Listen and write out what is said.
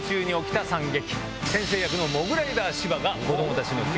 先生役のモグライダー・芝が。